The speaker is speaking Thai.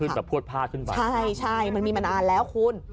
ขึ้นแบบพวดผ้าขึ้นไปใช่มันมีมานานแล้วคุณ